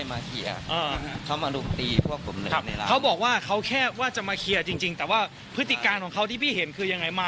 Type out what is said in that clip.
แต่เขาบอกว่าเขาไม่ใช่ขายใหญ่